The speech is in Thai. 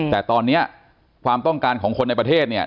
แต่ตอนนี้ความต้องการของคนในประเทศเนี่ย